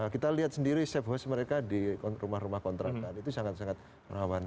kita lihat sendiri safe house mereka di rumah rumah kontrakan itu sangat sangat rawan